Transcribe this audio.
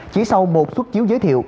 chỉ sau một suất chiếu giới thiệu